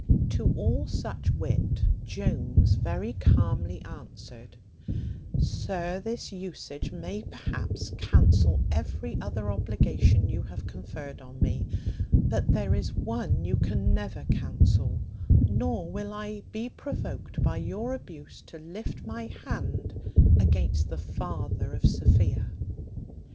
To all such wit, Jones very calmly answered, "Sir, this usage may perhaps cancel every other obligation you have conferred on me; but there is one you can never cancel; nor will I be provoked by your abuse to lift my hand against the father of Sophia."